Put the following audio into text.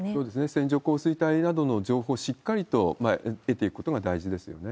線状降水帯などの情報をしっかりと得ていくことが大事ですよね。